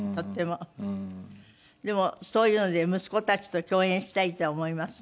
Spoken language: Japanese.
でもそういうので息子たちと共演したいって思います？